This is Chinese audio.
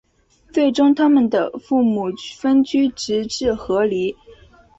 最终他们的父母分居直至和离。